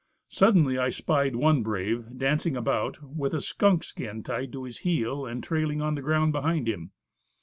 Suddenly I spied one brave, dancing about, with a skunk skin tied to his heel and trailing on the ground behind him.